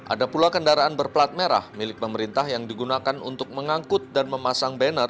ada pula kendaraan berplat merah milik pemerintah yang digunakan untuk mengangkut dan memasang banner